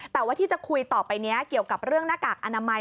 แต่ว่าที่จะคุยต่อไปนี้เกี่ยวกับเรื่องหน้ากากอนามัย